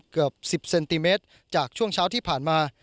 เกือบ๑๐เซนติเมตรจากช่วงเช้าที่ผ่านมา